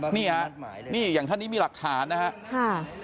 นี่ฮะนี่อย่างท่านนี้มีหลักฐานนะครับ